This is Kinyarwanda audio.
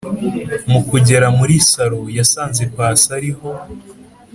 mukugera muri salo yasanze pasi ariho